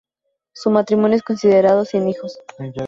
Su matrimonio es considerado sin hijos.